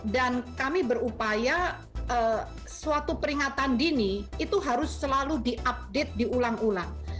dan kami berupaya suatu peringatan dini itu harus selalu diupdate diulang ulang